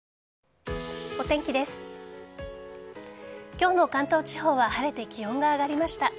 今日の関東地方は晴れて気温が上がりました。